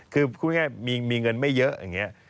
คือพูดง่ายมีเงินไม่เยอะอย่างนี้